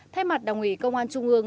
thay mặt đồng ủy công an trung ương